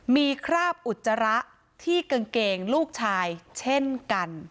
มีคราบอุจจาระที่กางเกงลูกชายเช่นกัน